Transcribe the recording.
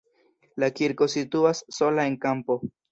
La kirko situas sola en kampo.